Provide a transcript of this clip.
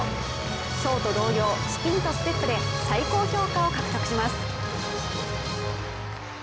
ショート同様、スピンとステップで最高評価を獲得します。